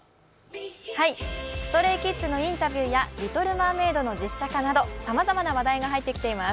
ＳｔｒａｙＫｉｄｓのインタビューや「リトル・マーメイド」の実写化などさまざまな話題が入ってきています。